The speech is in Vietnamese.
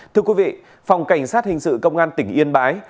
thưa quý vị phòng cảnh sát hình sự công an tỉnh yên bái